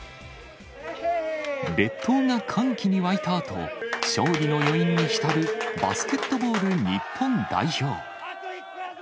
列島が歓喜に沸いたあと、勝利の余韻に浸るバスケットボール日本代表。